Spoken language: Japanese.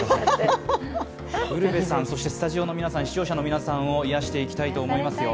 ウルヴェさん、スタジオの皆さんそして視聴者の皆さんを癒やしていきたいと思いますよ。